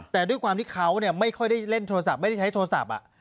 แต่ด้วยความที่เขาไม่ค่อยได้เล่นโทรศัพท์ไม่ได้ใช้โทรศัพท์